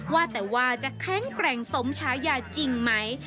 ว่าแต่ว่าจะแข็งแกร่งสมชายาจริงไหม